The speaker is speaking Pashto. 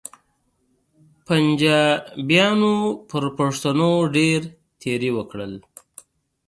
پنچاپیانو پر پښتنو ډېر تېري وکړل.